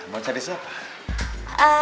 mau cari siapa